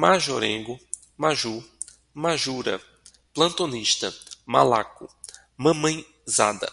majorengo, majú, majura, plantonista, malaco, mamãezada